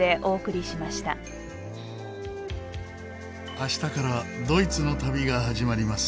明日からドイツの旅が始まります。